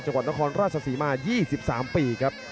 จังหวัดนครราชศรีมายี่สิบสามปี